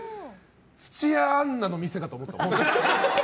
土屋アンナの店かと思った。